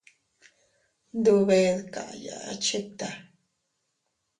Tndube dkaya chikta.